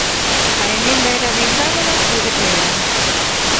¿A emenda era de engádega ou de que era?